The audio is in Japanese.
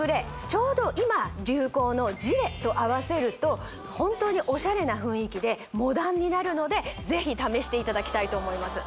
ちょうど今流行のジレとあわせると本当にオシャレな雰囲気でモダンになるのでぜひ試していただきたいと思います